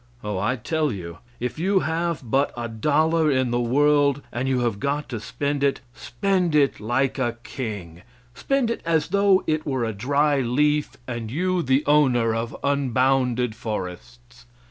Oh, I tell you, if you have but a dollar in the world, and you have got to spend it, spend it like a king; spend it as though it were a dry leaf and you the owner of unbounded forests!